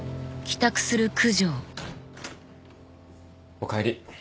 おかえり。